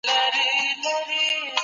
ولي ګمرک په نړیواله کچه ارزښت لري؟